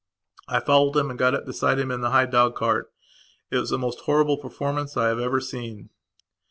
I followed him and got up beside him in the high dog cart. It was the most horrible performance I have ever seen.